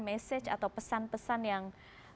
message atau pesan pesan yang